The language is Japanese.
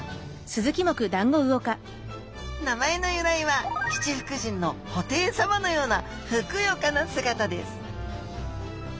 名前の由来は七福神の布袋さまのようなふくよかな姿です。